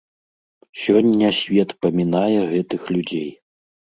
Сёння свет памінае гэтых людзей.